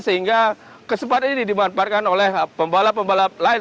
sehingga kesempatan ini dimanfaatkan oleh pembalap pembalap lain